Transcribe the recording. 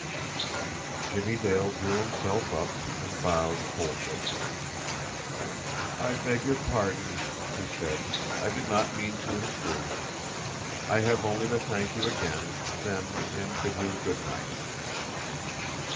Jimmie Dale drew himself up, and bowed coldly. "I beg your pardon," he said. "I did not mean to intrude. I have only to thank you again, then, and bid you good night."